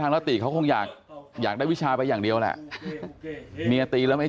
แล้วติเขาคงอยากอยากได้วิชาไปอย่างเดียวแหละเมียตีแล้วไม่